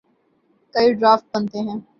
کئی ڈرافٹ بنتے ہیں۔